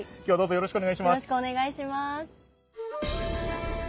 よろしくお願いします。